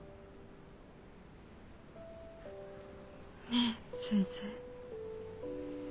ねえ先生。